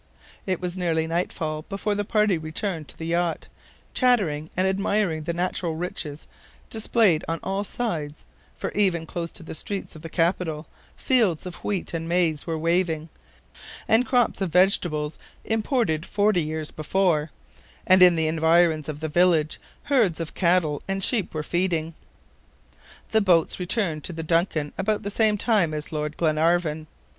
It was nearly nightfall before the party returned to the yacht, chattering and admiring the natural riches displayed on all sides, for even close to the streets of the capital, fields of wheat and maize were waving, and crops of vegetables, imported forty years before; and in the environs of the village, herds of cattle and sheep were feeding. The boats returned to the DUNCAN about the same time as Lord Glenarvan.